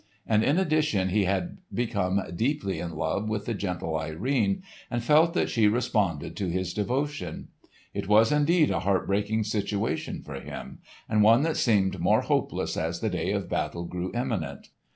And in addition he had become deeply in love with the gentle Irene and felt that she responded to his devotion. It was indeed a heart breaking situation for him and one that seemed more hopeless as the day of battle grew imminent.